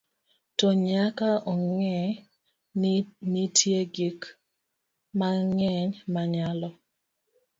to nyaka ong'e ni nitie gik mang'eny manyalo